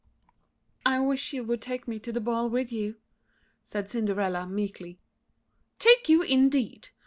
] "I wish you would take me to the ball with you," said Cinderella, meekly. "Take you, indeed!"